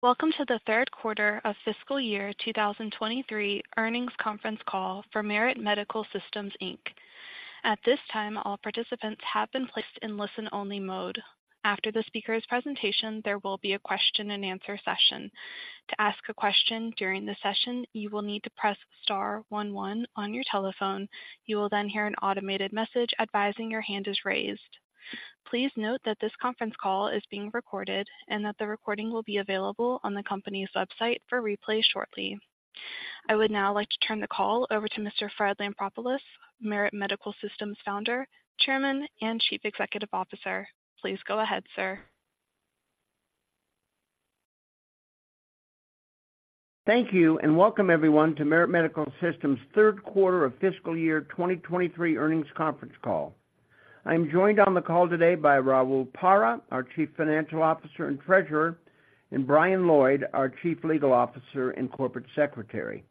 Welcome to the third quarter of fiscal year 2023 earnings conference call for Merit Medical Systems Inc. At this time, all participants have been placed in listen-only mode. After the speaker's presentation, there will be a question-and-answer session. To ask a question during the session, you will need to press star one one on your telephone. You will then hear an automated message advising your hand is raised. Please note that this conference call is being recorded and that the recording will be available on the company's website for replay shortly. I would now like to turn the call over to Mr. Fred Lampropoulos, Merit Medical Systems founder, chairman, and Chief Executive Officer. Please go ahead, sir. Thank you, and welcome everyone to Merit Medical Systems' third quarter of fiscal year 2023 earnings conference call. I'm joined on the call today by Raul Parra, our Chief Financial Officer and Treasurer, and Brian Lloyd, our Chief Legal Officer and Corporate Secretary.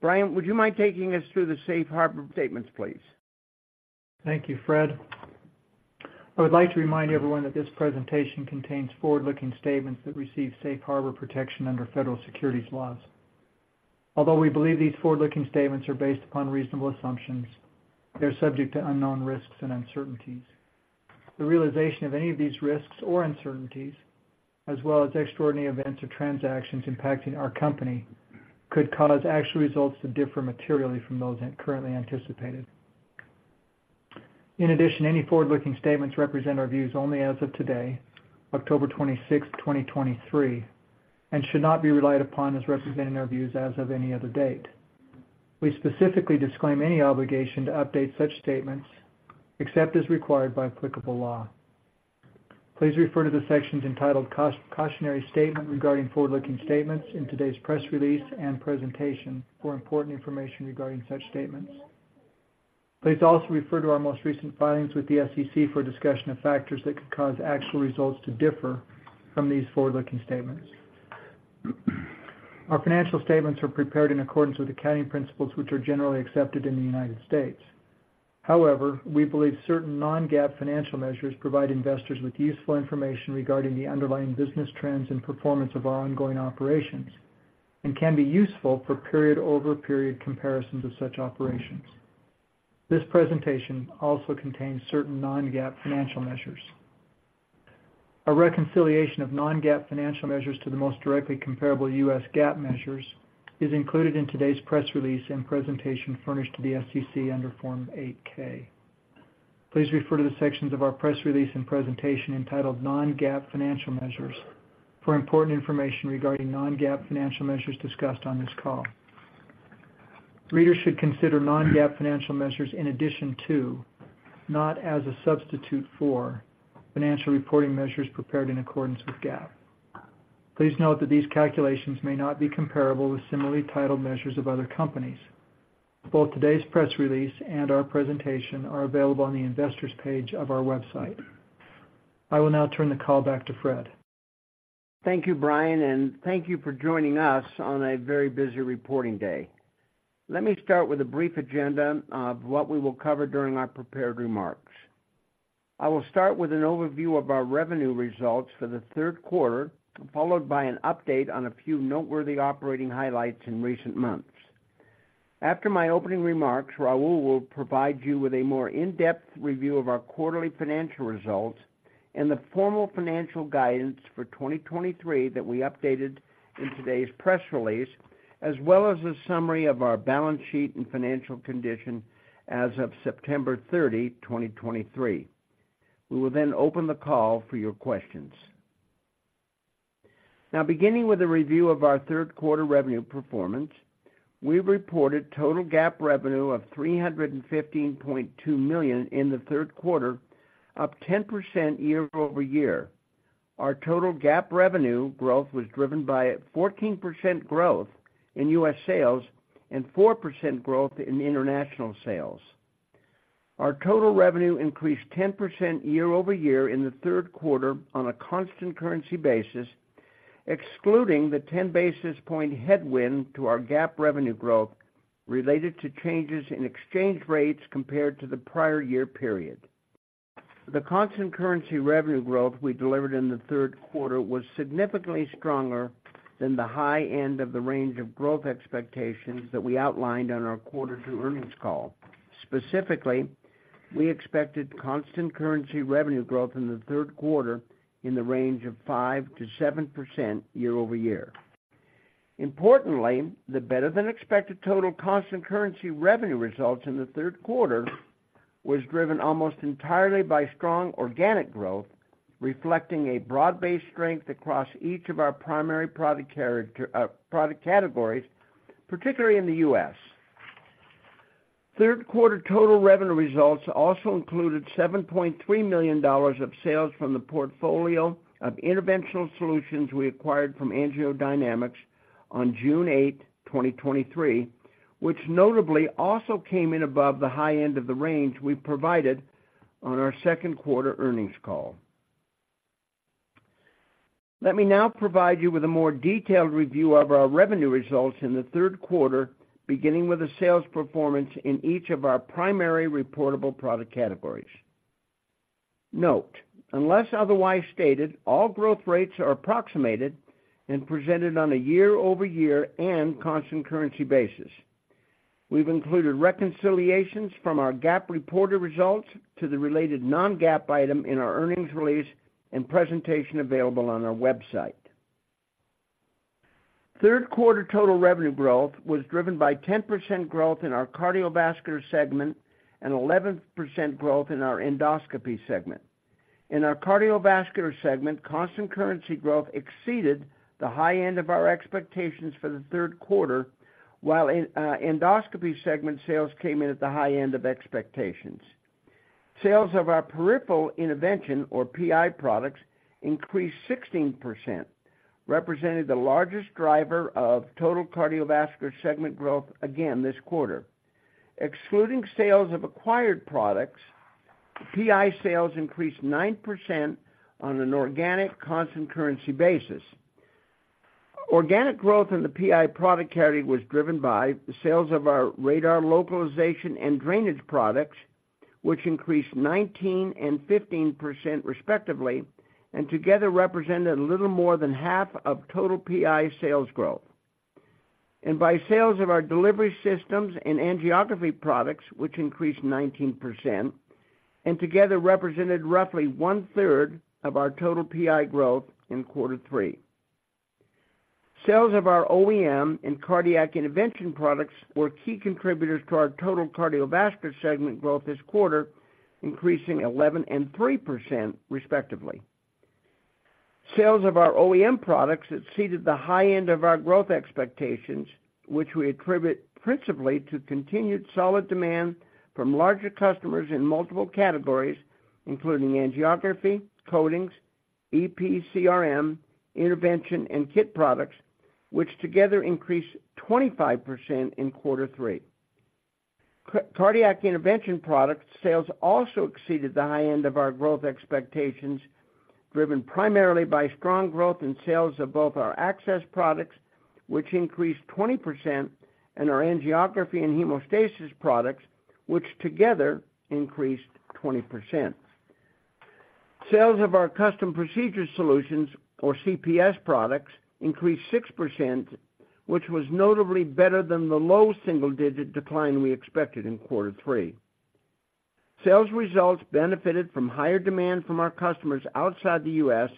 Brian, would you mind taking us through the Safe Harbor statements, please? Thank you, Fred. I would like to remind everyone that this presentation contains forward-looking statements that receive Safe Harbor protection under federal securities laws. Although we believe these forward-looking statements are based upon reasonable assumptions, they're subject to unknown risks and uncertainties. The realization of any of these risks or uncertainties, as well as extraordinary events or transactions impacting our company, could cause actual results to differ materially from those currently anticipated. In addition, any forward-looking statements represent our views only as of today, October 26th, 2023, and should not be relied upon as representing our views as of any other date. We specifically disclaim any obligation to update such statements, except as required by applicable law. Please refer to the sections entitled Cautionary Statement regarding forward-looking statements in today's press release and presentation for important information regarding such statements. Please also refer to our most recent filings with the SEC for a discussion of factors that could cause actual results to differ from these forward-looking statements. Our financial statements are prepared in accordance with accounting principles, which are generally accepted in the United States. However, we believe certain non-GAAP financial measures provide investors with useful information regarding the underlying business trends and performance of our ongoing operations and can be useful for period-over-period comparisons of such operations. This presentation also contains certain non-GAAP financial measures. A reconciliation of non-GAAP financial measures to the most directly comparable US GAAP measures is included in today's press release and presentation furnished to the SEC under Form 8-K. Please refer to the sections of our press release and presentation entitled Non-GAAP Financial Measures for important information regarding non-GAAP financial measures discussed on this call. Readers should consider Non-GAAP financial measures in addition to, not as a substitute for, financial reporting measures prepared in accordance with GAAP. Please note that these calculations may not be comparable with similarly titled measures of other companies. Both today's press release and our presentation are available on the Investors page of our website. I will now turn the call back to Fred. Thank you, Brian, and thank you for joining us on a very busy reporting day. Let me start with a brief agenda of what we will cover during our prepared remarks. I will start with an overview of our revenue results for the third quarter, followed by an update on a few noteworthy operating highlights in recent months. After my opening remarks, Raul will provide you with a more in-depth review of our quarterly financial results and the formal financial guidance for 2023 that we updated in today's press release, as well as a summary of our balance sheet and financial condition as of September 30, 2023. We will then open the call for your questions. Now, beginning with a review of our third quarter revenue performance, we reported total GAAP revenue of $315.2 million in the third quarter, up 10% year-over-year. Our total GAAP revenue growth was driven by a 14% growth in U.S. sales and 4% growth in international sales. Our total revenue increased 10% year-over-year in the third quarter on a constant currency basis, excluding the 10 basis point headwind to our GAAP revenue growth related to changes in exchange rates compared to the prior year period. The constant currency revenue growth we delivered in the third quarter was significantly stronger than the high end of the range of growth expectations that we outlined on our quarter two earnings call. Specifically, we expected constant currency revenue growth in the third quarter in the range of 5%-7% year-over-year. Importantly, the better-than-expected total constant currency revenue results in the third quarter was driven almost entirely by strong organic growth, reflecting a broad-based strength across each of our primary product categories, particularly in the U.S. Third quarter total revenue results also included $7.3 million of sales from the portfolio of interventional solutions we acquired from AngioDynamics on June 8, 2023, which notably also came in above the high end of the range we provided on our second quarter earnings call. Let me now provide you with a more detailed review of our revenue results in the third quarter, beginning with the sales performance in each of our primary reportable product categories.... Note, unless otherwise stated, all growth rates are approximated and presented on a year-over-year and constant currency basis. We've included reconciliations from our GAAP reported results to the related non-GAAP item in our earnings release and presentation available on our website. Third quarter total revenue growth was driven by 10% growth in our cardiovascular segment and 11% growth in our Endoscopy segment. In our Cardiovascular segment, constant currency growth exceeded the high end of our expectations for the third quarter, while in Endoscopy segment sales came in at the high end of expectations. Sales of our peripheral intervention, or PI products, increased 16%, representing the largest driver of total cardiovascular segment growth again this quarter. Excluding sales of acquired products, PI sales increased 9% on an organic constant currency basis. Organic growth in the PI product category was driven by the sales of our radar localization and drainage products, which increased 19% and 15% respectively, and together represented a little more than half of total PI sales growth. By sales of our delivery systems and angiography products, which increased 19%, and together represented roughly one-third of our total PI growth in quarter three. Sales of our OEM and cardiac intervention products were key contributors to our total Cardiovascular segment growth this quarter, increasing 11% and 3% respectively. Sales of our OEM products exceeded the high end of our growth expectations, which we attribute principally to continued solid demand from larger customers in multiple categories, including angiography, coatings, EP/CRM, intervention, and kit products, which together increased 25% in quarter three. Cardiac intervention product sales also exceeded the high end of our growth expectations, driven primarily by strong growth in sales of both our access products, which increased 20%, and our angiography and hemostasis products, which together increased 20%. Sales of our custom procedure solutions, or CPS products, increased 6%, which was notably better than the low single-digit decline we expected in quarter three. Sales results benefited from higher demand from our customers outside the U.S.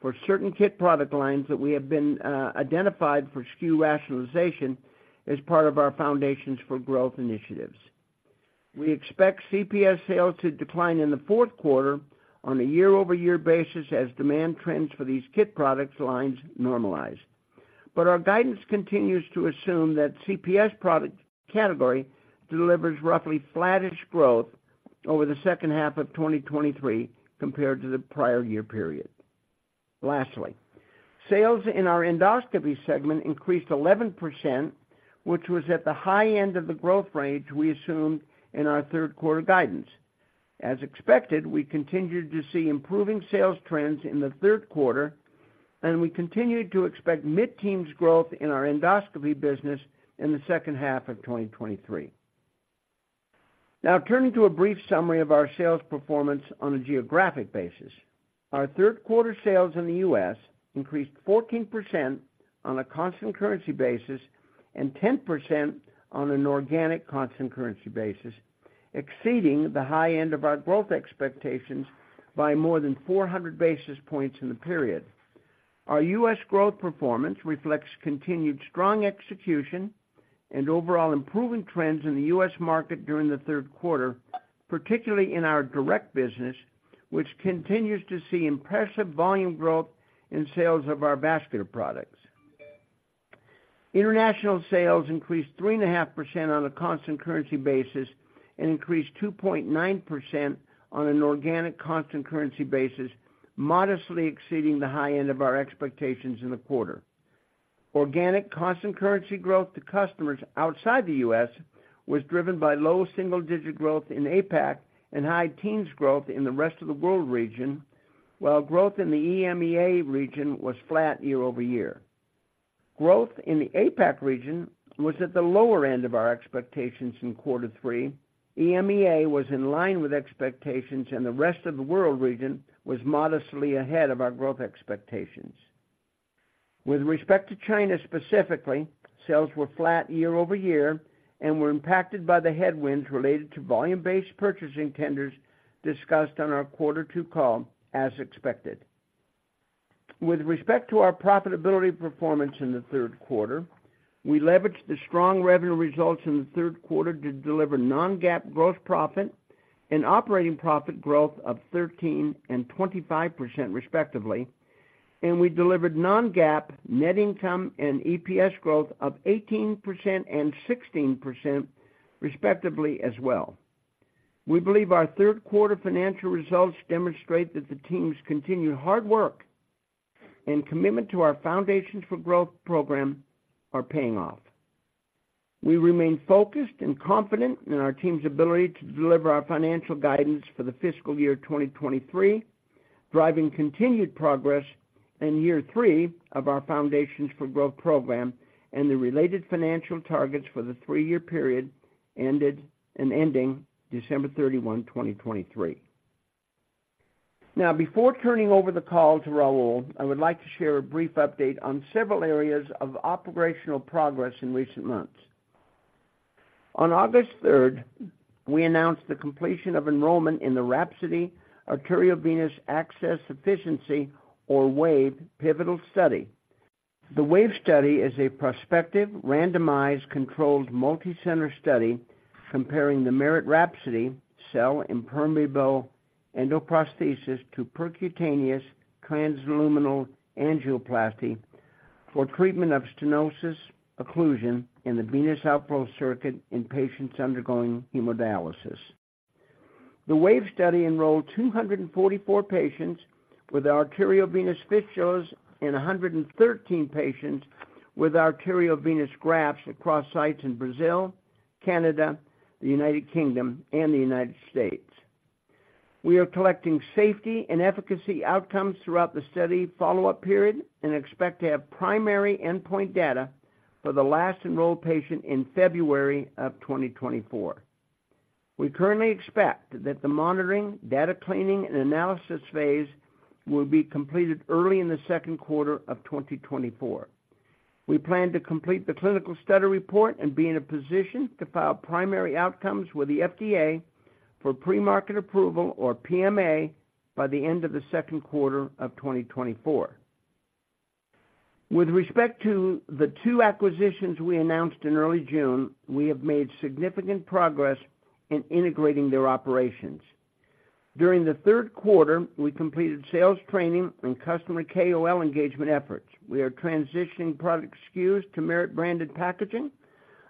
for certain kit product lines that we have been identified for SKU rationalization as part of our Foundations for Growth initiatives. We expect CPS sales to decline in the fourth quarter on a year-over-year basis as demand trends for these kit products lines normalize. Our guidance continues to assume that CPS product category delivers roughly flattish growth over the second half of 2023 compared to the prior year period. Lastly, sales in our endoscopy segment increased 11%, which was at the high end of the growth range we assumed in our third quarter guidance. As expected, we continued to see improving sales trends in the third quarter, and we continued to expect mid-teens growth in our endoscopy business in the second half of 2023. Now turning to a brief summary of our sales performance on a geographic basis. Our third quarter sales in the U.S. increased 14% on a constant currency basis and 10% on an organic constant currency basis, exceeding the high end of our growth expectations by more than 400 basis points in the period. Our U.S. growth performance reflects continued strong execution and overall improving trends in the U.S. market during the third quarter, particularly in our direct business, which continues to see impressive volume growth in sales of our vascular products. International sales increased 3.5% on a constant currency basis and increased 2.9% on an organic constant currency basis, modestly exceeding the high end of our expectations in the quarter. Organic constant currency growth to customers outside the U.S. was driven by low double-digit growth in APAC and high teens growth in the rest of the world region, while growth in the EMEA region was flat year-over-year. Growth in the APAC region was at the lower end of our expectations in quarter three. EMEA was in line with expectations, and the rest of the world region was modestly ahead of our growth expectations. With respect to China specifically, sales were flat year-over-year and were impacted by the headwinds related to volume-based purchasing tenders discussed on our quarter two call, as expected. With respect to our profitability performance in the third quarter, we leveraged the strong revenue results in the third quarter to deliver non-GAAP gross profit and operating profit growth of 13% and 25%, respectively, and we delivered non-GAAP net income and EPS growth of 18% and 16% respectively as well. We believe our third quarter financial results demonstrate that the team's continued hard work and commitment to our Foundations for Growth program are paying off. We remain focused and confident in our team's ability to deliver our financial guidance for the fiscal year 2023.... driving continued progress in year three of our Foundations for Growth program and the related financial targets for the three-year period ended, and ending December 31, 2023. Now, before turning over the call to Raul, I would like to share a brief update on several areas of operational progress in recent months. On August 3, we announced the completion of enrollment in the WRAPSODY Arteriovenous Access Sufficiency, or WAVE, pivotal study. The WAVE study is a prospective, randomized, controlled, multicenter study comparing the Merit WRAPSODY Cell-Impermeable Endoprosthesis to Percutaneous Transluminal Angioplasty for treatment of stenosis occlusion in the venous outflow circuit in patients undergoing hemodialysis. The WAVE study enrolled 244 patients with arteriovenous fistulas and 113 patients with arteriovenous grafts across sites in Brazil, Canada, the United Kingdom, and the United States. We are collecting safety and efficacy outcomes throughout the study follow-up period and expect to have primary endpoint data for the last enrolled patient in February of 2024. We currently expect that the monitoring, data cleaning, and analysis phase will be completed early in the second quarter of 2024. We plan to complete the clinical study report and be in a position to file primary outcomes with the FDA for pre-market approval, or PMA, by the end of the second quarter of 2024. With respect to the two acquisitions we announced in early June, we have made significant progress in integrating their operations. During the third quarter, we completed sales training and customer KOL engagement efforts. We are transitioning product SKUs to Merit-branded packaging,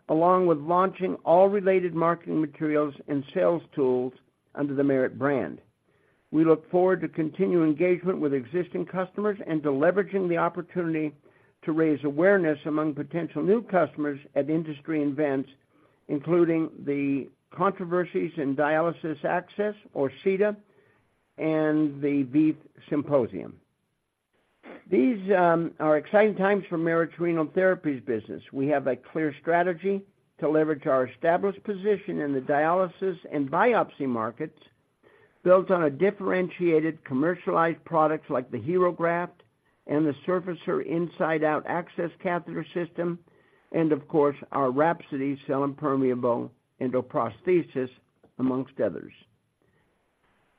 along with launching all related marketing materials and sales tools under the Merit brand. We look forward to continued engagement with existing customers and to leveraging the opportunity to raise awareness among potential new customers at industry events, including the Controversies in Dialysis Access, or CIDA, and the VEITHsymposium. These are exciting times for Merit's Renal Therapies business. We have a clear strategy to leverage our established position in the dialysis and biopsy markets, built on a differentiated commercialized products like the HeRO Graft and the Surfacer Inside-Out Access Catheter System, and of course, our WRAPSODY Cell-Impermeable Endoprosthesis, among others.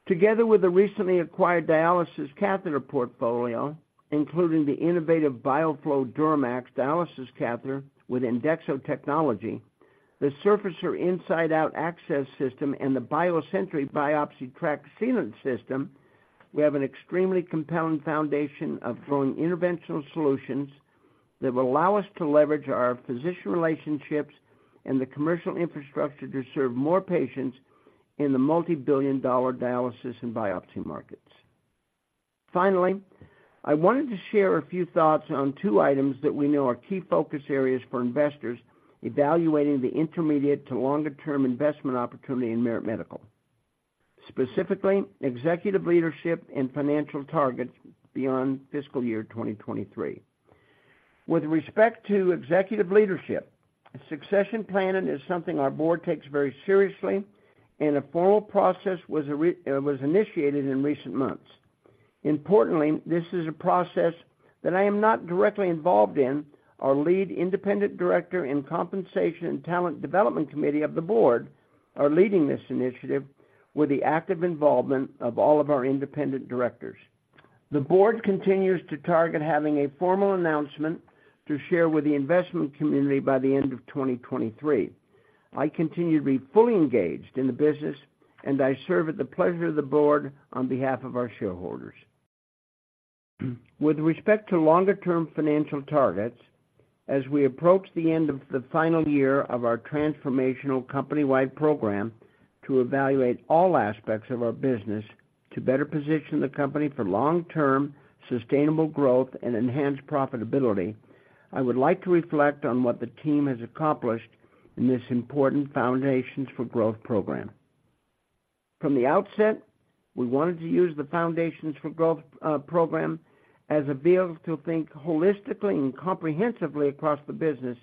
Together with the recently acquired dialysis catheter portfolio, including the innovative BioFlo DuraMax dialysis catheter with Endexo technology, the Surfacer Inside-Out Access System, and the BioSentry Tract Sealant System, we have an extremely compelling foundation of growing interventional solutions that will allow us to leverage our physician relationships and the commercial infrastructure to serve more patients in the multibillion-dollar dialysis and biopsy markets. Finally, I wanted to share a few thoughts on two items that we know are key focus areas for investors evaluating the intermediate to longer-term investment opportunity in Merit Medical. Specifically, executive leadership and financial targets beyond fiscal year 2023. With respect to executive leadership, succession planning is something our board takes very seriously, and a formal process was initiated in recent months. Importantly, this is a process that I am not directly involved in. Our lead independent director in Compensation and Talent Development Committee of the board are leading this initiative with the active involvement of all of our independent directors. The board continues to target having a formal announcement to share with the investment community by the end of 2023. I continue to be fully engaged in the business, and I serve at the pleasure of the board on behalf of our shareholders. With respect to longer-term financial targets, as we approach the end of the final year of our transformational company-wide program to evaluate all aspects of our business to better position the company for long-term sustainable growth and enhanced profitability, I would like to reflect on what the team has accomplished in this important Foundations for Growth program. From the outset, we wanted to use the Foundations for Growth program, as a vehicle to think holistically and comprehensively across the business,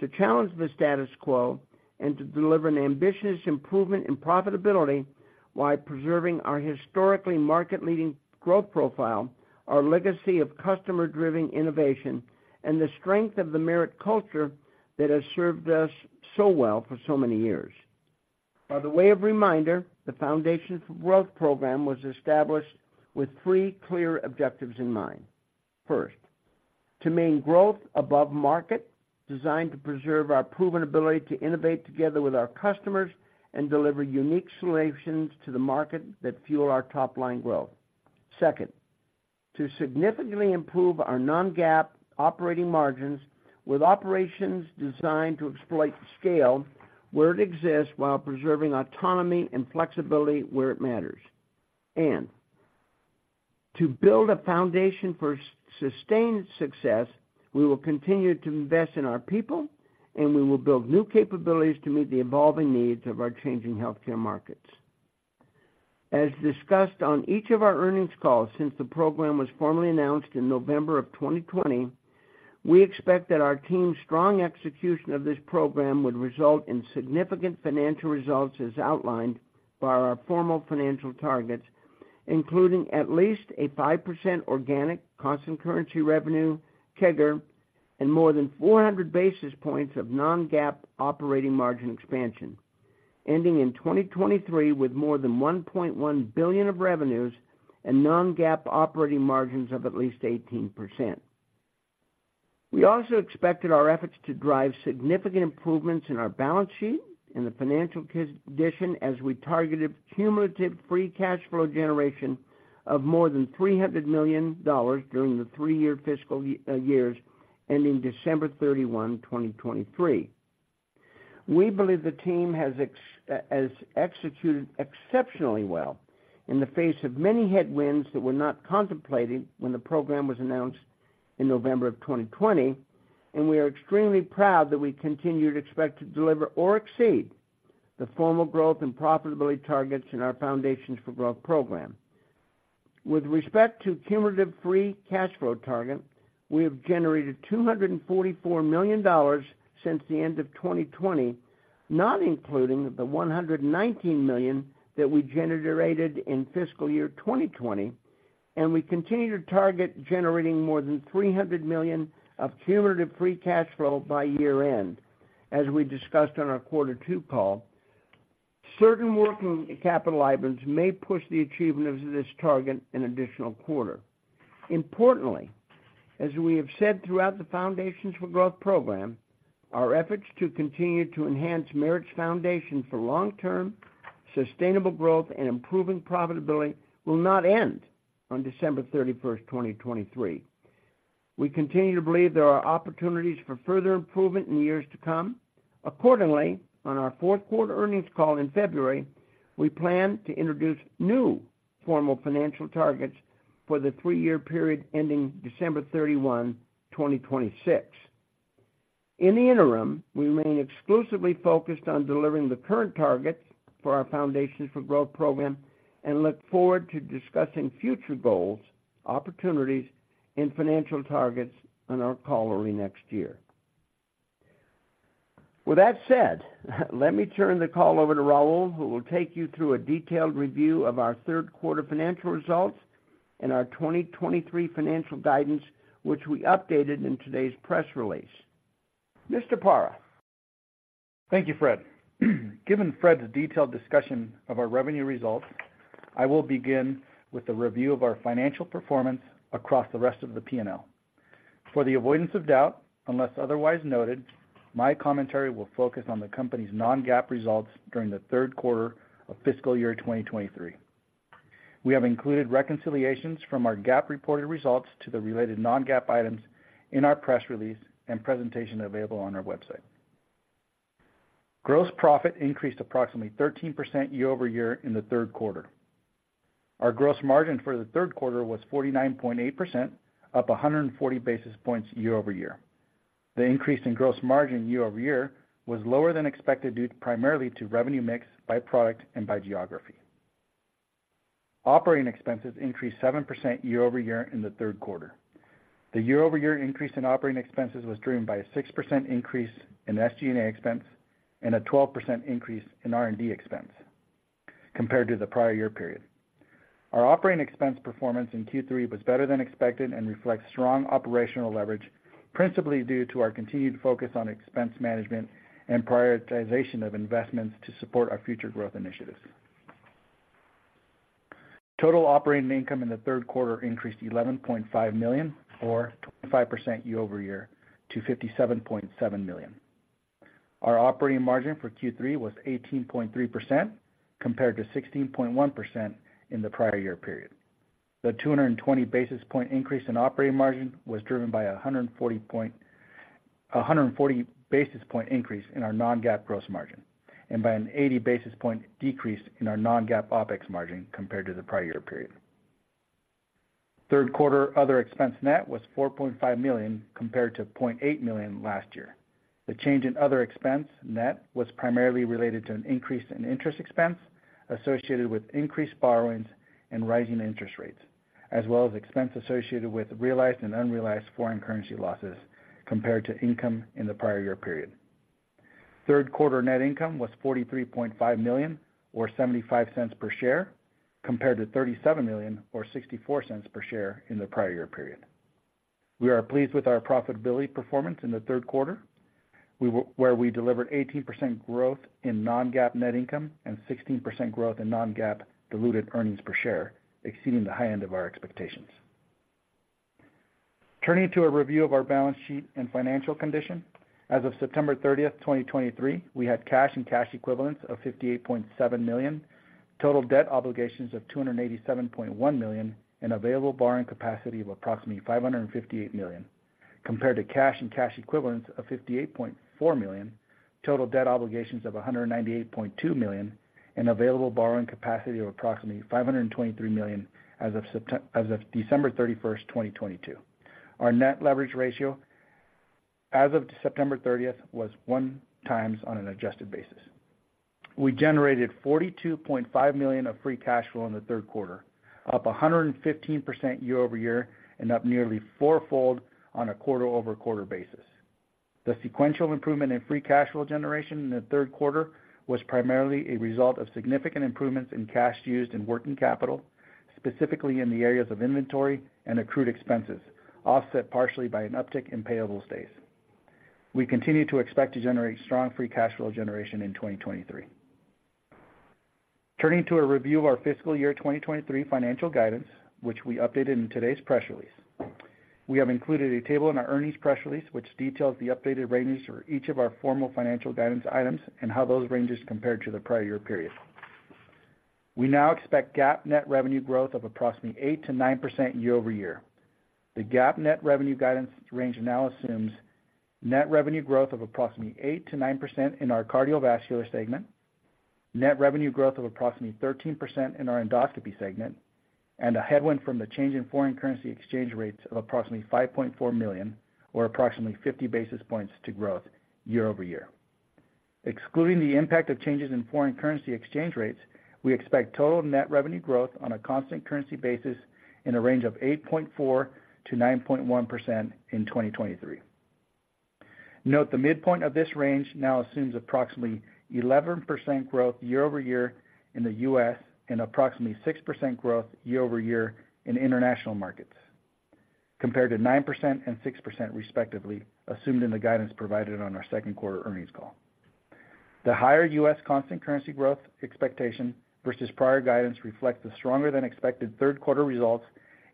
to challenge the status quo, and to deliver an ambitious improvement in profitability while preserving our historically market-leading growth profile, our legacy of customer-driven innovation, and the strength of the Merit culture that has served us so well for so many years. By way of reminder, the Foundations for Growth program was established with three clear objectives in mind. First, to maintain growth above market, designed to preserve our proven ability to innovate together with our customers and deliver unique solutions to the market that fuel our top-line growth. Second, to significantly improve our non-GAAP operating margins with operations designed to exploit scale where it exists, while preserving autonomy and flexibility where it matters. And to build a foundation for sustained success, we will continue to invest in our people, and we will build new capabilities to meet the evolving needs of our changing healthcare markets. As discussed on each of our earnings calls since the program was formally announced in November of 2020, we expect that our team's strong execution of this program would result in significant financial results, as outlined by our formal financial targets, including at least a 5% organic constant currency revenue CAGR, and more than 400 basis points of non-GAAP operating margin expansion, ending in 2023 with more than $1.1 billion of revenues and non-GAAP operating margins of at least 18%. We also expected our efforts to drive significant improvements in our balance sheet and the financial condition as we targeted cumulative free cash flow generation of more than $300 million during the three-year fiscal years ending December 31, 2023. We believe the team has executed exceptionally well in the face of many headwinds that were not contemplated when the program was announced in November 2020, and we are extremely proud that we continue to expect to deliver or exceed the formal growth and profitability targets in our Foundations for Growth program. With respect to cumulative free cash flow target, we have generated $244 million since the end of 2020, not including the $119 million that we generated in fiscal year 2020, and we continue to target generating more than $300 million of cumulative free cash flow by year-end. As we discussed on our Q2 call, certain working capital items may push the achievement of this target an additional quarter. Importantly, as we have said throughout the Foundations for Growth program, our efforts to continue to enhance Merit's foundation for long-term, sustainable growth and improving profitability will not end on December 31, 2023. We continue to believe there are opportunities for further improvement in years to come. Accordingly, on our fourth quarter earnings call in February, we plan to introduce new formal financial targets for the three-year period ending December 31, 2026. In the interim, we remain exclusively focused on delivering the current targets for our Foundations for Growth program and look forward to discussing future goals, opportunities, and financial targets on our call early next year. With that said, let me turn the call over to Raul, who will take you through a detailed review of our third quarter financial results and our 2023 financial guidance, which we updated in today's press release. Mr. Parra? Thank you, Fred. Given Fred's detailed discussion of our revenue results, I will begin with a review of our financial performance across the rest of the P&L. For the avoidance of doubt, unless otherwise noted, my commentary will focus on the company's non-GAAP results during the third quarter of fiscal year 2023. We have included reconciliations from our GAAP reported results to the related non-GAAP items in our press release and presentation available on our website. Gross profit increased approximately 13% year-over-year in the third quarter. Our gross margin for the third quarter was 49.8%, up 140 basis points year-over-year. The increase in gross margin year-over-year was lower than expected, due primarily to revenue mix by product and by geography. Operating expenses increased 7% year-over-year in the third quarter. The year-over-year increase in operating expenses was driven by a 6% increase in SG&A expense and a 12% increase in R&D expense compared to the prior year period. Our operating expense performance in Q3 was better than expected and reflects strong operational leverage, principally due to our continued focus on expense management and prioritization of investments to support our future growth initiatives. Total operating income in the third quarter increased to $11.5 million, or 25% year-over-year, to $57.7 million. Our operating margin for Q3 was 18.3%, compared to 16.1% in the prior year period. The 220 basis point increase in operating margin was driven by a 140 basis point increase in our non-GAAP gross margin and by an 80 basis point decrease in our non-GAAP OpEx margin compared to the prior year period. Third quarter other expense net was $4.5 million, compared to $0.8 million last year. The change in other expense net was primarily related to an increase in interest expense associated with increased borrowings and rising interest rates, as well as expense associated with realized and unrealized foreign currency losses compared to income in the prior year period. Third quarter net income was $43.5 million, or $0.75 per share, compared to $37 million, or $0.64 per share in the prior year period. We are pleased with our profitability performance in the third quarter, where we delivered 18% growth in non-GAAP net income and 16% growth in non-GAAP diluted earnings per share, exceeding the high end of our expectations. Turning to a review of our balance sheet and financial condition. As of September 30, 2023, we had cash and cash equivalents of $58.7 million, total debt obligations of $287.1 million, and available borrowing capacity of approximately $558 million, compared to cash and cash equivalents of $58.4 million, total debt obligations of $198.2 million, and available borrowing capacity of approximately $523 million as of December 31, 2022. Our net leverage ratio as of September 30 was 1x on an adjusted basis. We generated $42.5 million of free cash flow in the third quarter, up 115% year-over-year and up nearly fourfold on a quarter-over-quarter basis. The sequential improvement in free cash flow generation in the third quarter was primarily a result of significant improvements in cash used in working capital, specifically in the areas of inventory and accrued expenses, offset partially by an uptick in payables days. We continue to expect to generate strong free cash flow generation in 2023. Turning to a review of our fiscal year 2023 financial guidance, which we updated in today's press release. We have included a table in our earnings press release, which details the updated ranges for each of our formal financial guidance items and how those ranges compare to the prior year period. We now expect GAAP net revenue growth of approximately 8%-9% year-over-year. The GAAP net revenue guidance range now assumes net revenue growth of approximately 8%-9% in our cardiovascular segment, net revenue growth of approximately 13% in our endoscopy segment, and a headwind from the change in foreign currency exchange rates of approximately $5.4 million, or approximately 50 basis points to growth year-over-year. Excluding the impact of changes in foreign currency exchange rates, we expect total net revenue growth on a constant currency basis in a range of 8.4%-9.1% in 2023. Note, the midpoint of this range now assumes approximately 11% growth year-over-year in the US and approximately 6% growth year-over-year in international markets, compared to 9% and 6% respectively, assumed in the guidance provided on our second quarter earnings call. The higher US constant currency growth expectation versus prior guidance reflects the stronger than expected third quarter results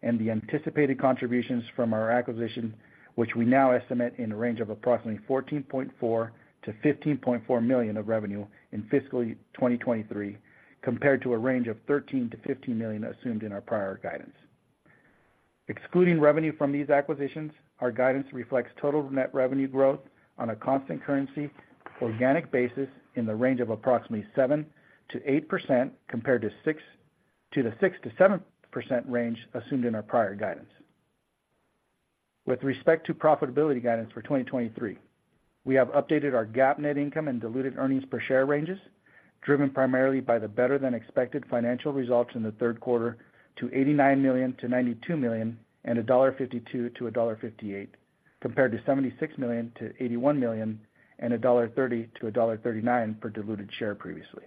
and the anticipated contributions from our acquisition, which we now estimate in a range of approximately $14.4 million-$15.4 million of revenue in fiscal year 2023, compared to a range of $13 million-$15 million assumed in our prior guidance. Excluding revenue from these acquisitions, our guidance reflects total net revenue growth on a constant currency organic basis in the range of approximately 7%-8%, compared to 6%-7% range assumed in our prior guidance. With respect to profitability guidance for 2023, we have updated our GAAP net income and diluted earnings per share ranges, driven primarily by the better-than-expected financial results in the third quarter to $89 million-$92 million and $1.52-$1.58, compared to $76 million-$81 million and $1.30-$1.39 per diluted share previously.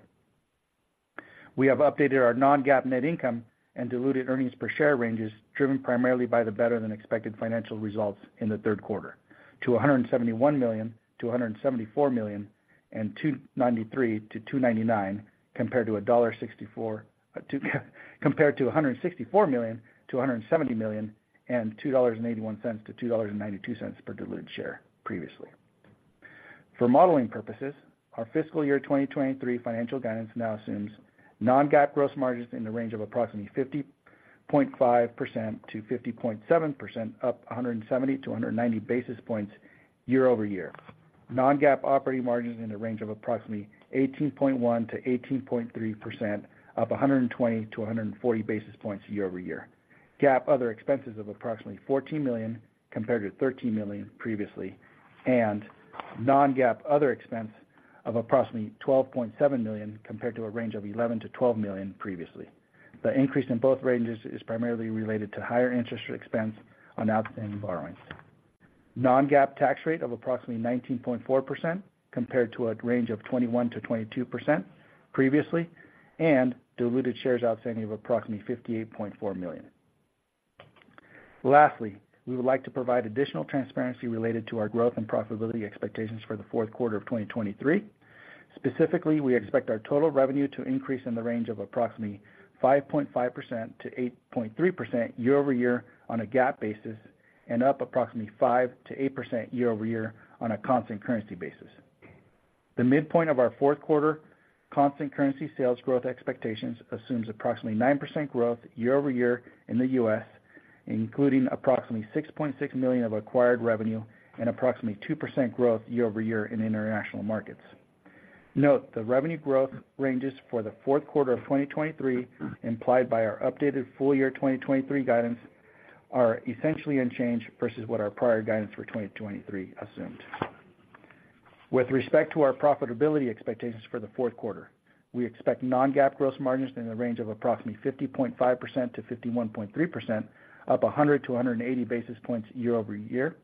We have updated our non-GAAP net income and diluted earnings per share ranges, driven primarily by the better-than-expected financial results in the third quarter, to $171 million-$174 million and $2.93-$2.99, compared to $164, compared to $164 million-$170 million and $2.81-$2.92 per diluted share previously. For modeling purposes, our fiscal year 2023 financial guidance now assumes non-GAAP gross margins in the range of approximately 50.5%-50.7%, up 170-190 basis points year-over-year. Non-GAAP operating margins in the range of approximately 18.1%-18.3%, up 120-140 basis points year-over-year. GAAP other expenses of approximately $14 million compared to $13 million previously, and non-GAAP other expense of approximately $12.7 million compared to a range of $11 million-$12 million previously. The increase in both ranges is primarily related to higher interest expense on outstanding borrowings. Non-GAAP tax rate of approximately 19.4%, compared to a range of 21%-22% previously, and diluted shares outstanding of approximately 58.4 million. Lastly, we would like to provide additional transparency related to our growth and profitability expectations for the fourth quarter of 2023. Specifically, we expect our total revenue to increase in the range of approximately 5.5%-8.3% year-over-year on a GAAP basis, and up approximately 5%-8% year-over-year on a constant currency basis. The midpoint of our fourth quarter constant currency sales growth expectations assumes approximately 9% growth year-over-year in the U.S., including approximately $6.6 million of acquired revenue and approximately 2% growth year-over-year in international markets. Note, the revenue growth ranges for the fourth quarter of 2023, implied by our updated full year 2023 guidance, are essentially unchanged versus what our prior guidance for 2023 assumed. With respect to our profitability expectations for the fourth quarter, we expect non-GAAP gross margins in the range of approximately 50.5%-51.3%, up 100-180 basis points year-over-year,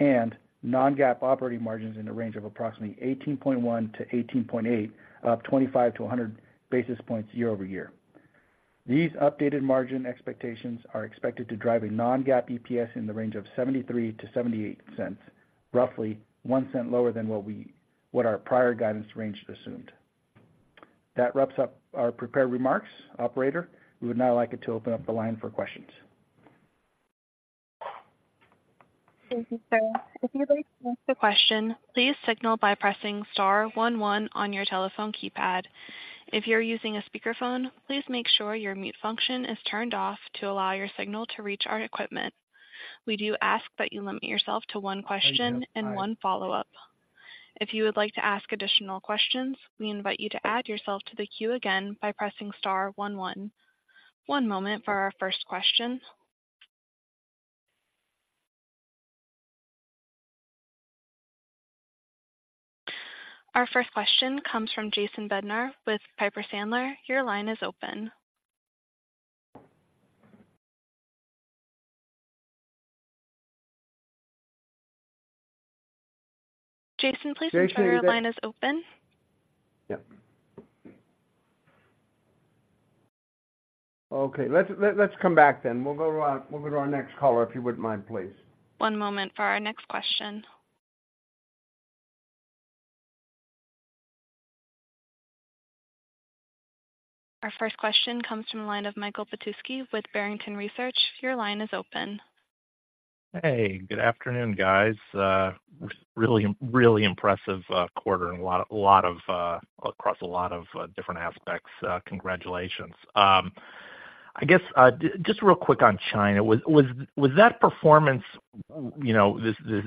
and non-GAAP operating margins in the range of approximately 18.1-18.8, up 25-100 basis points year-over-year. These updated margin expectations are expected to drive a non-GAAP EPS in the range of $0.73-$0.78, roughly $0.01 lower than what our prior guidance range assumed. That wraps up our prepared remarks. Operator, we would now like it to open up the line for questions. Thank you, sir. If you'd like to ask a question, please signal by pressing star one one on your telephone keypad... If you're using a speakerphone, please make sure your mute function is turned off to allow your signal to reach our equipment. We do ask that you limit yourself to one question and one follow-up. If you would like to ask additional questions, we invite you to add yourself to the queue again by pressing star one one. One moment for our first question. Our first question comes from Jason Bednar with Piper Sandler. Your line is open. Jason, please your line is open. Yep. Okay, let's come back then. We'll go to our next caller, if you wouldn't mind, please. One moment for our next question. Our first question comes from the line of Michael Petusky with Barrington Research. Your line is open. Hey, good afternoon, guys. Really, really impressive quarter and a lot, a lot of, across a lot of, different aspects. Congratulations. I guess, just real quick on China, was that performance, you know, this, this,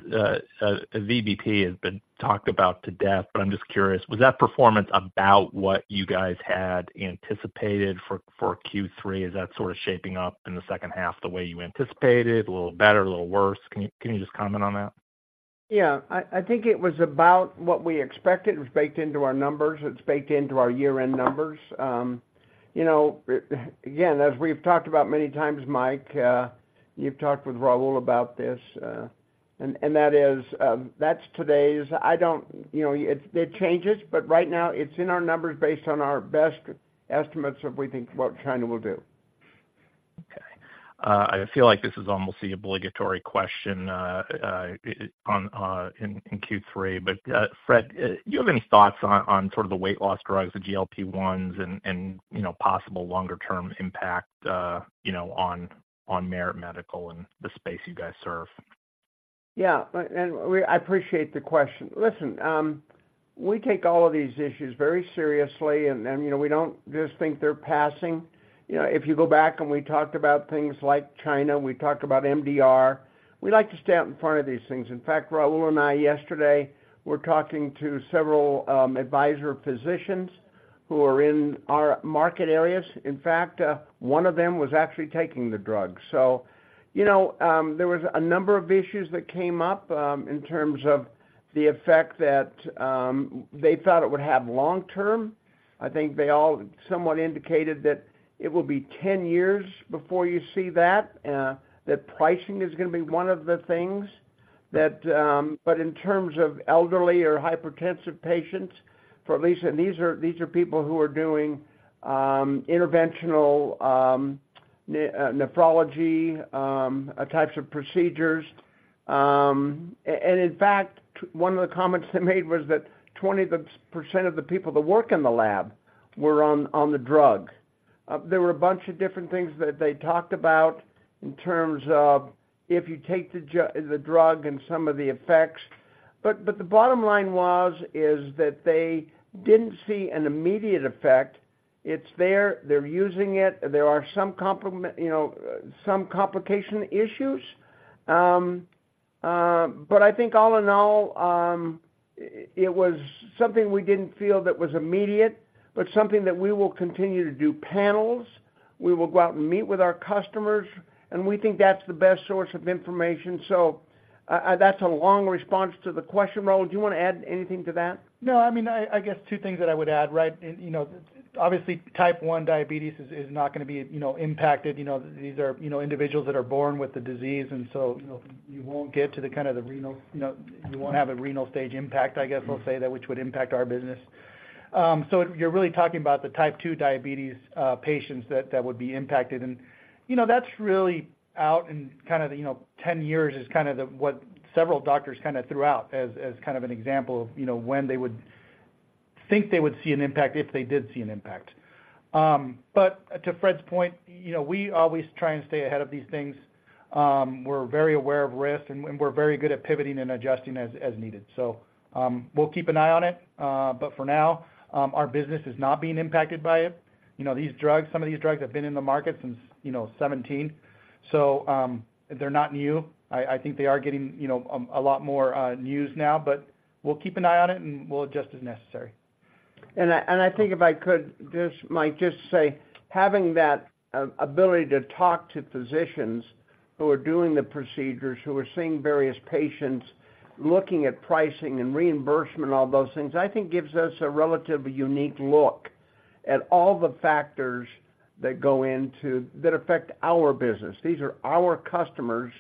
VBT has been talked about to death, but I'm just curious, was that performance about what you guys had anticipated for Q3? Is that sort of shaping up in the second half the way you anticipated? A little better, a little worse? Can you just comment on that? Yeah, I think it was about what we expected. It was baked into our numbers. It's baked into our year-end numbers. You know, again, as we've talked about many times, Mike, you've talked with Raul about this, and that is, that's today's—I don't... You know, it changes, but right now, it's in our numbers based on our best estimates of we think what China will do. Okay. I feel like this is almost the obligatory question on in Q3, but Fred, do you have any thoughts on sort of the weight loss drugs, the GLP-1s and you know, possible longer term impact, you know, on Merit Medical and the space you guys serve? Yeah, I appreciate the question. Listen, we take all of these issues very seriously, and you know, we don't just think they're passing. You know, if you go back and we talked about things like China, we talked about MDR. We like to stay out in front of these things. In fact, Raul and I, yesterday, were talking to several advisor physicians who are in our market areas. In fact, one of them was actually taking the drug. You know, there was a number of issues that came up in terms of the effect that they thought it would have long term. I think they all somewhat indicated that it will be 10 years before you see that, that pricing is gonna be one of the things that, But in terms of elderly or hypertensive patients, for at least, and these are, these are people who are doing, interventional, nephrology, types of procedures. And in fact, one of the comments they made was that 20% of the people that work in the lab were on the drug. There were a bunch of different things that they talked about in terms of if you take the drug and some of the effects, but the bottom line was, is that they didn't see an immediate effect. It's there, they're using it, there are some complement, you know, some complication issues, but I think all in all, it was something we didn't feel that was immediate, but something that we will continue to do panels. We will go out and meet with our customers, and we think that's the best source of information. So, that's a long response to the question. Raul, do you want to add anything to that? No, I mean, I guess two things that I would add, right? You know, obviously, type 1 diabetes is not gonna be, you know, impacted. You know, these are, you know, individuals that are born with the disease, and so, you know, you won't get to the kind of the renal, you know, you won't have a renal stage impact, I guess I'll say that, which would impact our business. You know, you're really talking about the type 2 diabetes patients that would be impacted. You know, that's really out in kind of, you know, 10 years is kind of what several doctors kind of threw out as kind of an example of, you know, when they would think they would see an impact, if they did see an impact. But to Fred's point, you know, we always try and stay ahead of these things. We're very aware of risk, and we're very good at pivoting and adjusting as needed. So, we'll keep an eye on it, but for now, our business is not being impacted by it. You know, these drugs, some of these drugs have been in the market since, you know, 2017, so, they're not new. I think they are getting, you know, a lot more news now, but we'll keep an eye on it, and we'll adjust as necessary. I think if I could just, Mike, just say, having that ability to talk to physicians who are doing the procedures, who are seeing various patients, looking at pricing and reimbursement, all those things, I think gives us a relatively unique look at all the factors that affect our business. These are our customers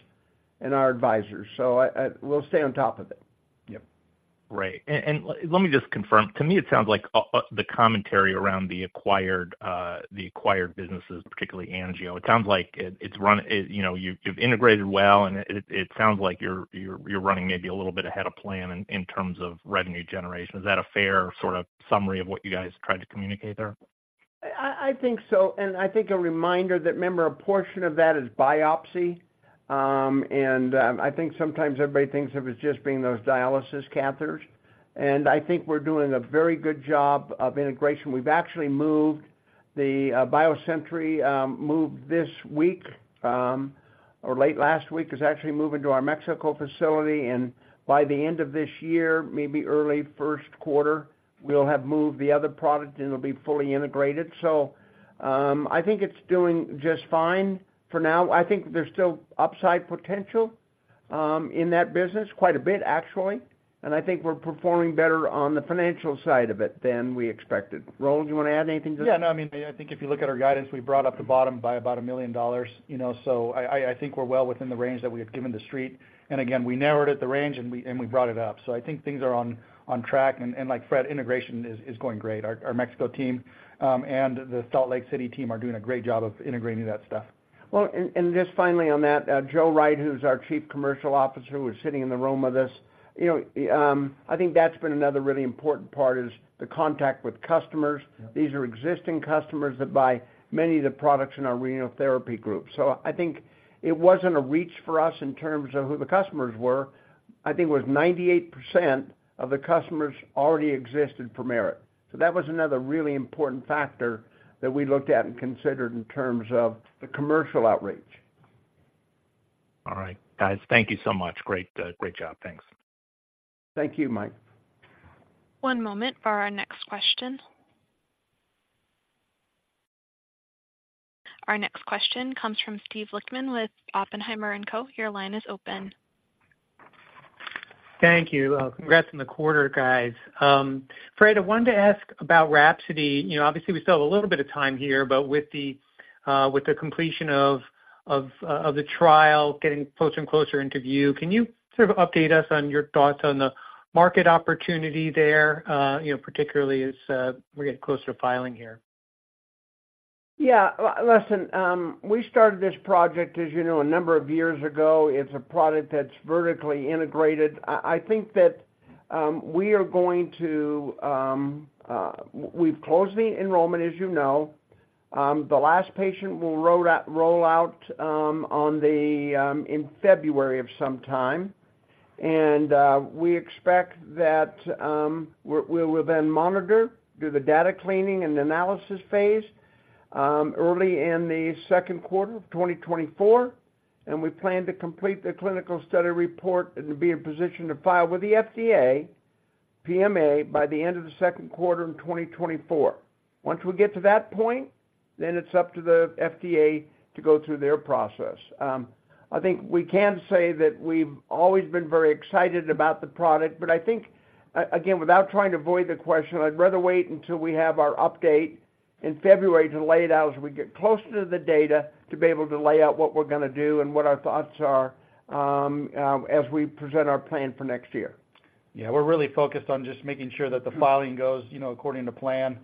and our advisors, so we'll stay on top of it. Yep. Great. Let me just confirm. To me, it sounds like the commentary around the acquired businesses, particularly Angio. It sounds like it's run, you know, you've integrated well, and it sounds like you're running maybe a little bit ahead of plan in terms of revenue generation. Is that a fair sort of summary of what you guys tried to communicate there? I think so, and I think a reminder that, remember, a portion of that is biopsy. I think sometimes everybody thinks of it as just being those dialysis catheters. I think we're doing a very good job of integration. We've actually moved the BioSentry, moved this week, or late last week, was actually moving to our Mexico facility, and by the end of this year, maybe early first quarter, we'll have moved the other product, and it'll be fully integrated. I think it's doing just fine for now. I think there's still upside potential in that business, quite a bit actually, and I think we're performing better on the financial side of it than we expected. Raul, you want to add anything to that? Yeah, no, I mean, I think if you look at our guidance, we brought up the bottom by about $1 million, you know, so I think we're well within the range that we have given the street. And again, we narrowed it, the range, and we brought it up. So I think things are on track, and like Fred, integration is going great. Our Mexico team and the Salt Lake City team are doing a great job of integrating that stuff. Well, and just finally on that, Joe Wright, who's our Chief Commercial Officer, who was sitting in the room with us, you know, I think that's been another really important part, is the contact with customers. Yeah. These are existing customers that buy many of the products in our renal therapy group. So I think it wasn't a reach for us in terms of who the customers were. I think it was 98% of the customers already existed for Merit. So that was another really important factor that we looked at and considered in terms of the commercial outreach. All right, guys, thank you so much. Great, great job. Thanks. Thank you, Mike. One moment for our next question. Our next question comes from Steve Lichtman with Oppenheimer & Co. Your line is open. Thank you. Congrats on the quarter, guys. Fred, I wanted to ask about Rhapsody. You know, obviously, we still have a little bit of time here, but with the completion of the trial getting closer and closer into view, can you sort of update us on your thoughts on the market opportunity there, you know, particularly as we get closer to filing here? Yeah, listen, we started this project, as you know, a number of years ago. It's a product that's vertically integrated. I think that we are going to... We've closed the enrollment, as you know. The last patient will roll out in February of some time. We expect that we're- we will then monitor, do the data cleaning and analysis phase early in the second quarter of 2024, and we plan to complete the clinical study report and be in position to file with the FDA PMA by the end of the second quarter in 2024. Once we get to that point, then it's up to the FDA to go through their process. I think we can say that we've always been very excited about the product, but I think, again, without trying to avoid the question, I'd rather wait until we have our update in February to lay it out, as we get closer to the data, to be able to lay out what we're going to do and what our thoughts are, as we present our plan for next year. Yeah, we're really focused on just making sure that the filing goes, you know, according to plan.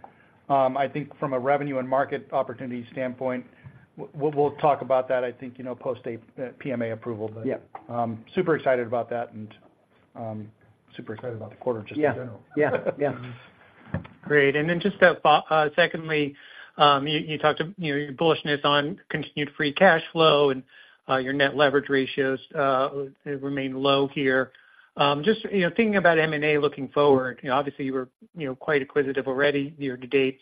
I think from a revenue and market opportunity standpoint, we'll talk about that, I think, you know, post a PMA approval. Yeah. Super excited about that and super excited about the quarter just in general. Yeah. Yeah, yeah. Great. Then just a, secondly, you talked to, you know, your bullishness on continued free cash flow and your net leverage ratios remain low here. Just, you know, thinking about M&A looking forward, you know, obviously, you were, you know, quite acquisitive already year to date.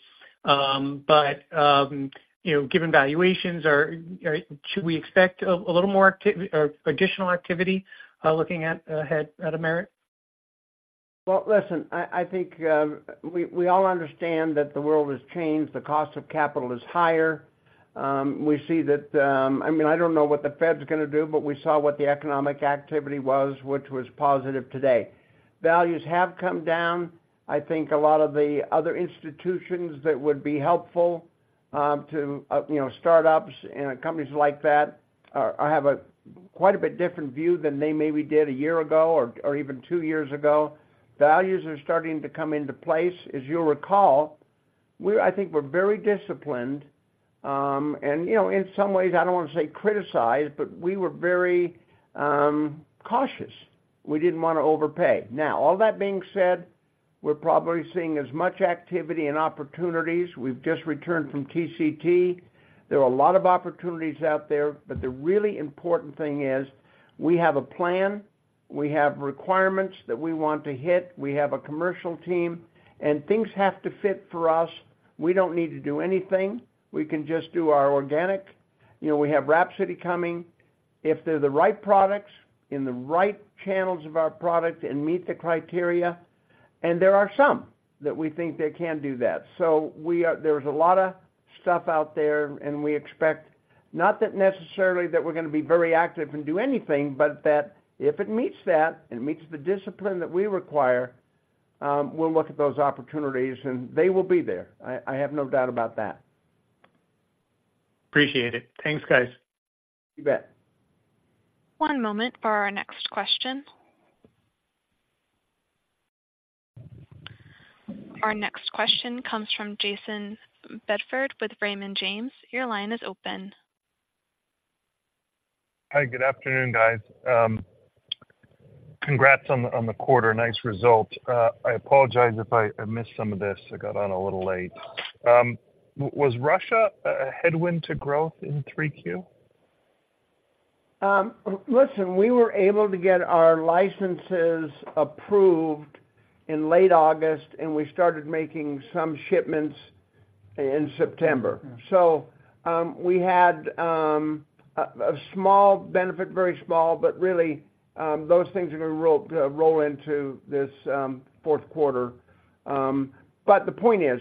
Given valuations, are, are- should we expect a little more activity or additional activity, looking at, ahead at Merit? Well, listen, I think we all understand that the world has changed. The cost of capital is higher. We see that. I mean, I don't know what the Fed's going to do, but we saw what the economic activity was, which was positive today. Values have come down. I think a lot of the other institutions that would be helpful to you know, startups and companies like that have a quite a bit different view than they maybe did a year ago or even two years ago. Values are starting to come into place. As you'll recall, we, I think we're very disciplined and you know, in some ways, I don't want to say criticized, but we were very cautious. We didn't want to overpay. Now, all that being said, we're probably seeing as much activity and opportunities. We've just returned from TCT. There are a lot of opportunities out there, but the really important thing is we have a plan, we have requirements that we want to hit, we have a commercial team, and things have to fit for us. We don't need to do anything. We can just do our organic. You know, we have WRAPSODY coming. If they're the right products, in the right channels of our product and meet the criteria, and there are some that we think they can do that. There is a lot of stuff out there, and we expect, not that necessarily that we're going to be very active and do anything, but that if it meets that, and it meets the discipline that we require, we'll look at those opportunities, and they will be there. I have no doubt about that. Appreciate it. Thanks, guys. You bet. One moment for our next question. Our next question comes from Jason Bedford with Raymond James. Your line is open. Hi, good afternoon, guys. Congrats on the quarter. Nice result. I apologize if I missed some of this. I got on a little late. Was Russia a headwind to growth in 3Q? Listen, we were able to get our licenses approved in late August, and we started making some shipments in September. Yeah. So, we had a small benefit, very small, but really, those things are going to roll into this fourth quarter. But the point is,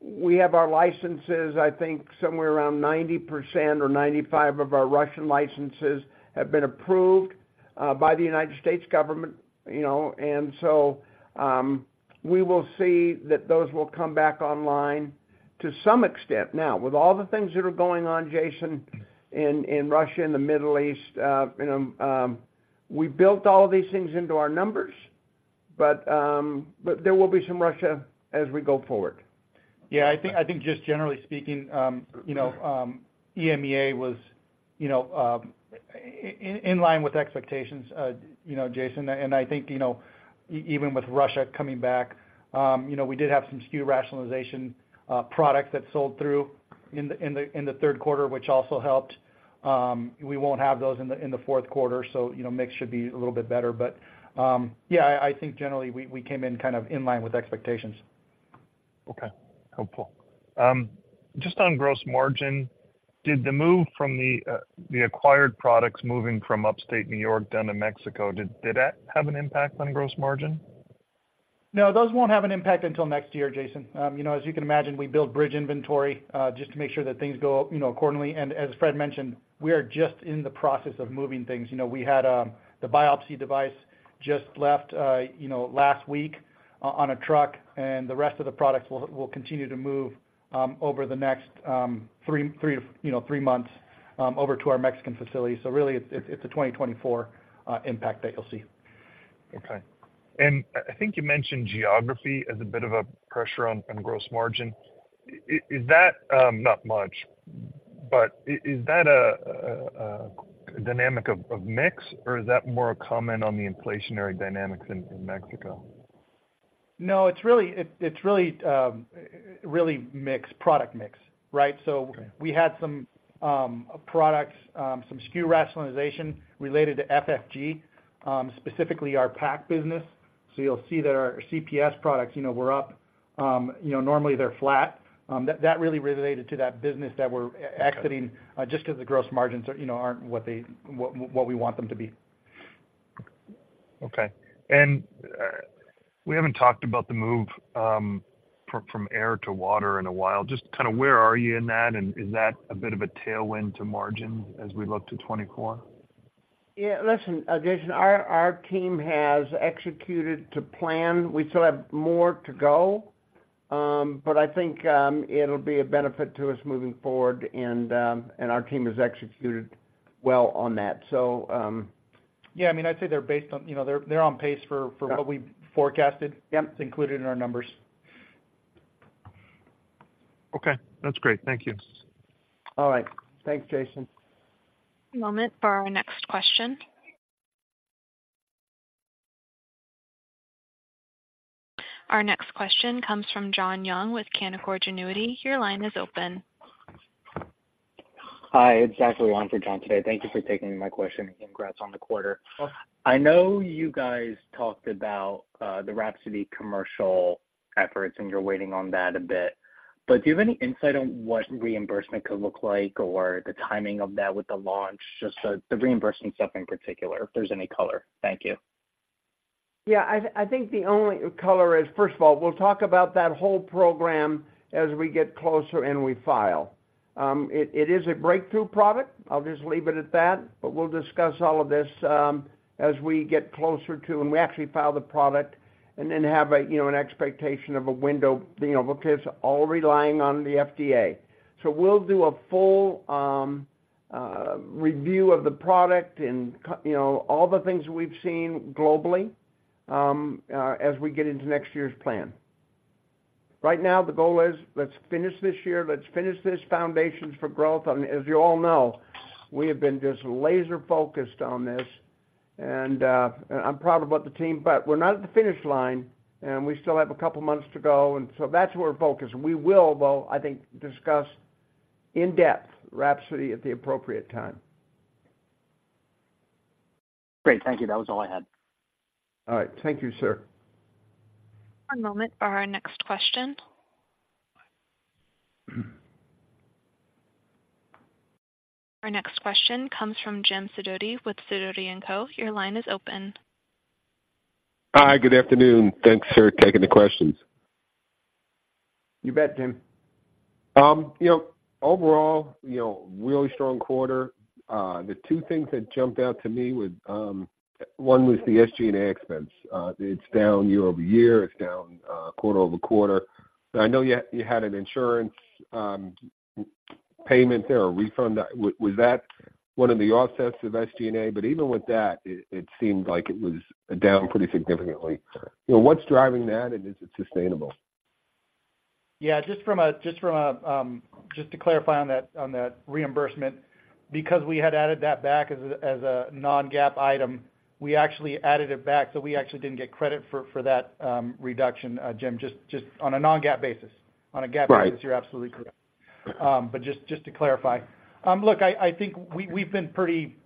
we have our licenses, I think somewhere around 90% or 95% of our Russian licenses have been approved by the United States government, you know, and so, we will see that those will come back online to some extent. Now, with all the things that are going on, Jason, in Russia and the Middle East, you know, we built all of these things into our numbers, but there will be some Russia as we go forward. Yeah, I think, I think just generally speaking, you know, EMEA was, you know, in line with expectations, you know, Jason, and I think, you know, even with Russia coming back, you know, we did have some SKU rationalization, products that sold through in the third quarter, which also helped. We won't have those in the fourth quarter, so, you know, mix should be a little bit better. But, yeah, I, I think generally we, we came in kind of in line with expectations. Okay. Helpful. Just on gross margin, did the move from the acquired products moving from Upstate New York down to Mexico, did that have an impact on gross margin? No, those won't have an impact until next year, Jason. You know, as you can imagine, we built bridge inventory, just to make sure that things go, you know, accordingly. And as Fred mentioned, we are just in the process of moving things. You know, we had the biopsy device just left, you know, last week on a truck, and the rest of the products will continue to move over the next three months over to our Mexican facility. So really, it's a 2024 impact that you'll see. Okay. And I think you mentioned geography as a bit of a pressure on gross margin. Is that not much, but is that a dynamic of mix, or is that more a comment on the inflationary dynamics in Mexico? No, it's really, it's really really mix, product mix, right? Okay. So we had some products, some SKU rationalization related to FFG, specifically our PAC business. So you'll see that our CPS products, you know, were up. You know, normally they're flat. That really related to that business that we're exiting- Okay... just because the gross margins are, you know, aren't what we want them to be. Okay. And we haven't talked about the move from air to water in a while. Just kind of where are you in that, and is that a bit of a tailwind to margin as we look to 2024? Yeah, listen, Jason, our team has executed to plan. We still have more to go, but I think it'll be a benefit to us moving forward, and our team has executed well on that. So, Yeah, I mean, I'd say they're based on, you know, they're on pace for what- Yeah... we forecasted. Yep. It's included in our numbers. Okay, that's great. Thank you. All right. Thanks, Jason. Moment for our next question. Our next question comes from John Young with Canaccord Genuity. Your line is open. Hi, it's actually Ron for John today. Thank you for taking my question. Congrats on the quarter. Welcome. I know you guys talked about the WRAPSODY commercial efforts, and you're waiting on that a bit, but do you have any insight on what reimbursement could look like or the timing of that with the launch? Just the reimbursement stuff in particular, if there's any color. Thank you. Yeah, I think the only color is, first of all, we'll talk about that whole program as we get closer, and we file. It is a breakthrough product. I'll just leave it at that, but we'll discuss all of this as we get closer to, and we actually file the product and then have a, you know, an expectation of a window, you know, because all relying on the FDA. So we'll do a full review of the product and, you know, all the things we've seen globally as we get into next year's plan. Right now, the goal is, let's finish this year, let's finish this Foundations for Growth. And as you all know, we have been just laser focused on this, and, and I'm proud about the team, but we're not at the finish line, and we still have a couple months to go, and so that's where we're focused. We will, though, I think, discuss in depth Rhapsody at the appropriate time. Great. Thank you. That was all I had. All right. Thank you, sir. One moment for our next question. Our next question comes from Jim Sidoti with Sidoti & Co. Your line is open. Hi, good afternoon. Thanks for taking the questions. You bet, Jim. You know, overall, you know, really strong quarter. The two things that jumped out to me were, one was the SG&A expense. It's down year-over-year. It's down quarter-over-quarter. I know you, you had an insurance payment there, a refund. Was that one of the offsets of SG&A? But even with that, it, it seemed like it was down pretty significantly. You know, what's driving that, and is it sustainable? Yeah, just to clarify on that reimbursement, because we had added that back as a non-GAAP item, we actually added it back, so we actually didn't get credit for that reduction, Jim, just on a non-GAAP basis. On a GAAP basis- Right. You're absolutely correct. But just, just to clarify. Look, I, I think we, we've been pretty,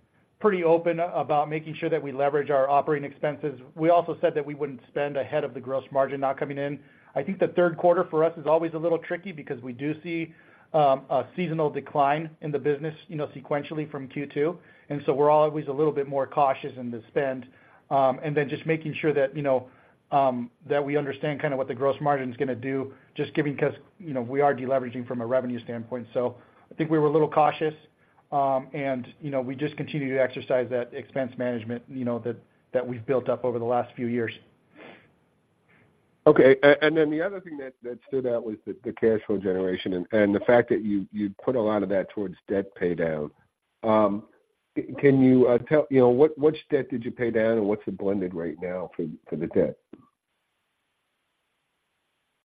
pretty open about making sure that we leverage our operating expenses. We also said that we wouldn't spend ahead of the gross margin not coming in. I think the third quarter for us is always a little tricky because we do see a seasonal decline in the business, you know, sequentially from Q2, and so we're always a little bit more cautious in the spend. And then just making sure that, you know, that we understand kind of what the gross margin is gonna do, just giving— 'cause, you know, we are deleveraging from a revenue standpoint. I think we were a little cautious, and you know, we just continue to exercise that expense management, you know, that we've built up over the last few years. Okay. And then the other thing that stood out was the cash flow generation and the fact that you put a lot of that towards debt paydown. Can you tell you know which debt did you pay down, and what's it blended right now for the debt?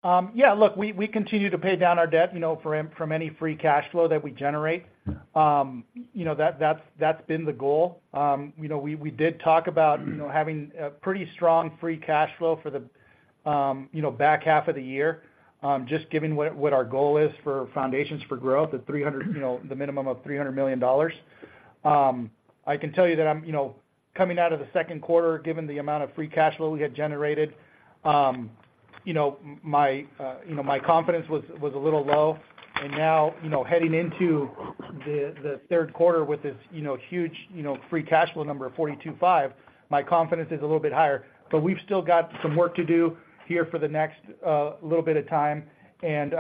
Yeah, look, we, we continue to pay down our debt, you know, from, from any free cash flow that we generate. You know, that, that's, that's been the goal. You know, we, we did talk about, you know, having a pretty strong free cash flow for the, you know, back half of the year, just given what, what our goal is for Foundations for Growth, the $300 million, you know, the minimum of $300 million. I can tell you that I'm, you know, coming out of the second quarter, given the amount of free cash flow we had generated, you know, my, you know, my confidence was, was a little low. You know, heading into the third quarter with this huge, you know, free cash flow number of $42.5 million, my confidence is a little bit higher. We've still got some work to do here for the next little bit of time, and,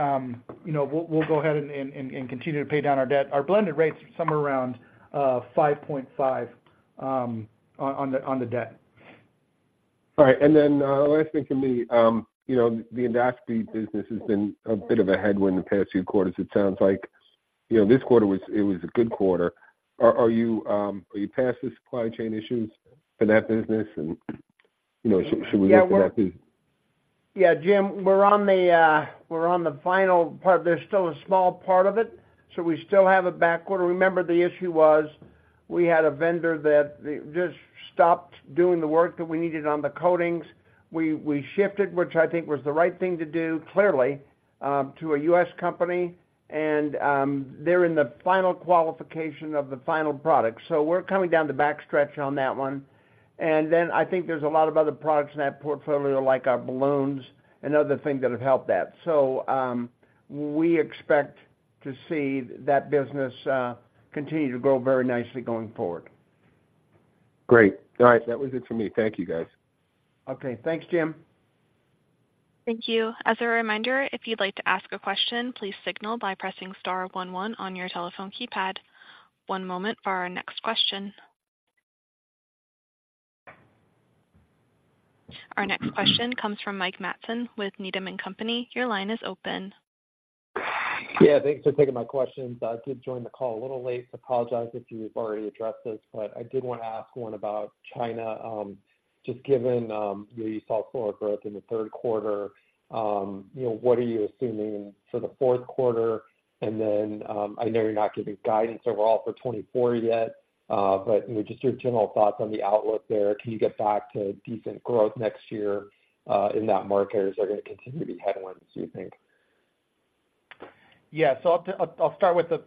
you know, we'll go ahead and continue to pay down our debt. Our blended rates are somewhere around 5.5% on the debt. All right. And then, last thing for me, you know, the Endoscopy business has been a bit of a headwind the past few quarters. It sounds like, you know, this quarter was, it was a good quarter. Are you past the supply chain issues for that business? And, you know, should we look at the- Yeah, Jim, we're on the final part. There's still a small part of it, so we still have a backorder. Remember, the issue was, we had a vendor that just stopped doing the work that we needed on the coatings. We shifted, which I think was the right thing to do, clearly, to a U.S. company, and they're in the final qualification of the final product. So we're coming down the backstretch on that one. And then I think there's a lot of other products in that portfolio, like our balloons and other things that have helped that. So we expect to see that business continue to grow very nicely going forward. Great. All right. That was it for me. Thank you, guys. Okay. Thanks, Jim. Thank you. As a reminder, if you'd like to ask a question, please signal by pressing star one one on your telephone keypad. One moment for our next question. Our next question comes from Mike Matson with Needham & Company. Your line is open. Yeah, thanks for taking my questions. I did join the call a little late, apologize if you've already addressed this, but I did want to ask one about China. Just given, you saw slower growth in the third quarter, you know, what are you assuming for the fourth quarter? And then, I know you're not giving guidance overall for 2024 yet, but, you know, just your general thoughts on the outlook there. Can you get back to decent growth next year, in that market, or is there going to continue to be headwinds, do you think? Yeah. So I'll start with the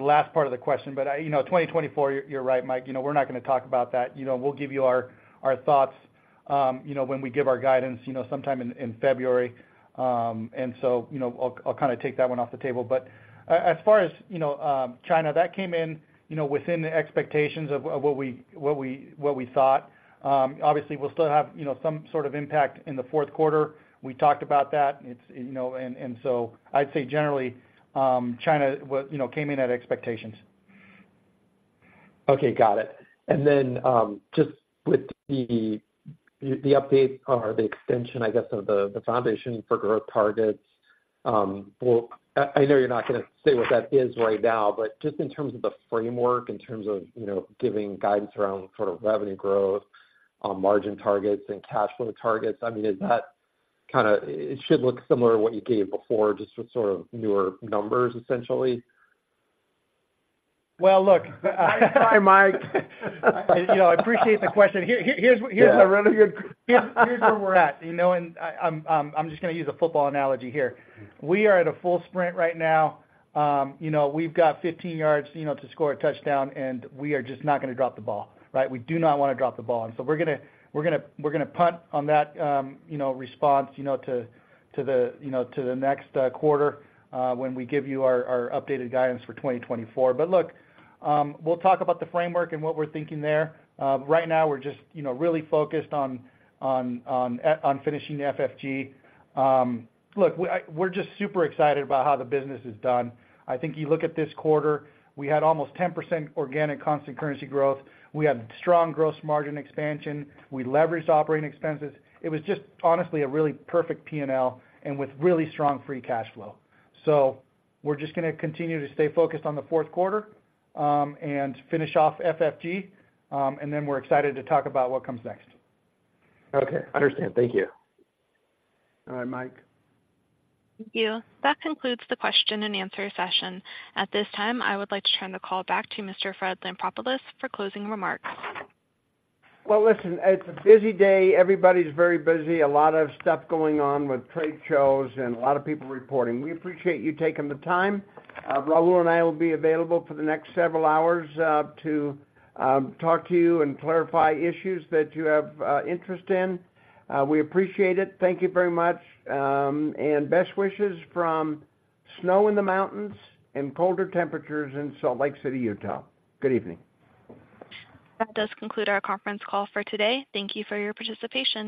last part of the question, but you know, 2024, you're right, Mike, you know, we're not going to talk about that. You know, we'll give you our thoughts when we give our guidance sometime in February. And so, you know, I'll kind of take that one off the table. But as far as you know, China, that came in within the expectations of what we thought. Obviously, we'll still have you know, some sort of impact in the fourth quarter. We talked about that. It's you know, and so I'd say generally, China you know, came in at expectations. Okay, got it. And then, just with the update or the extension, I guess, of the Foundations for Growth targets, well, I know you're not going to say what that is right now, but just in terms of the framework, in terms of, you know, giving guidance around sort of revenue growth, margin targets and cash flow targets, I mean, is that kind of... It should look similar to what you gave before, just with sort of newer numbers, essentially? Well, look, - Hi, Mike! You know, I appreciate the question. A really good- Here's where we're at, you know, and I'm just going to use a football analogy here. We are at a full sprint right now. You know, we've got 15 yds, you know, to score a touchdown, and we are just not going to drop the ball, right? We do not want to drop the ball. And so we're gonna punt on that, you know, response, you know, to the next quarter, when we give you our updated guidance for 2024. But look, we'll talk about the framework and what we're thinking there. Right now, we're just, you know, really focused on finishing FFG. Look, we're just super excited about how the business is done. I think you look at this quarter, we had almost 10% organic constant currency growth. We had strong gross margin expansion. We leveraged operating expenses. It was just, honestly, a really perfect P&L and with really strong free cash flow. So we're just gonna continue to stay focused on the fourth quarter, and finish off FFG, and then we're excited to talk about what comes next. Okay, understand. Thank you. All right, Mike. Thank you. That concludes the question and answer session. At this time, I would like to turn the call back to Mr. Fred Lampropoulos for closing remarks. Well, listen, it's a busy day. Everybody's very busy. A lot of stuff going on with trade shows and a lot of people reporting. We appreciate you taking the time. Raul and I will be available for the next several hours to talk to you and clarify issues that you have interest in. We appreciate it. Thank you very much, and best wishes from snow in the mountains and colder temperatures in Salt Lake City, Utah. Good evening. That does conclude our conference call for today. Thank you for your participation.